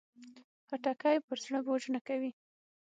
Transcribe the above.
خټکی پر زړه بوج نه کوي.